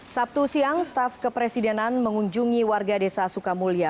sabtu siang staf kepresidenan mengunjungi warga desa suka mulia